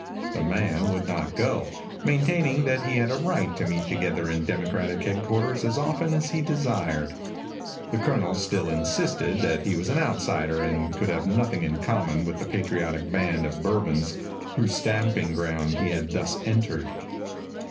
The man would not go, maintaining that he had a right to meet together in democratic headquarters as often as he desired. The Colonel still insisted that he was an outsider and could have nothing in common with the patriotic band of bourbons whose stamping ground he had thus entered.